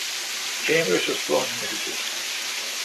Chambers was born in Mississippi.